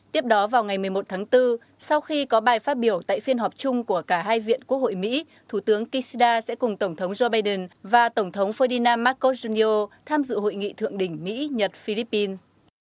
tiếp đó vào ngày một mươi một tháng bốn sau khi có bài phát biểu tại phiên họp chung của cả hai viện quốc hội mỹ thủ tướng kishida sẽ cùng tổng thống joe biden và tổng thống ferdinan marcos jr tham dự hội nghị thượng đỉnh mỹ nhật philippine